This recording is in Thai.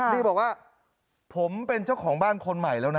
นี่บอกว่าผมเป็นเจ้าของบ้านคนใหม่แล้วนะ